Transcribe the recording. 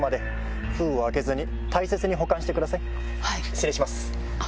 失礼します。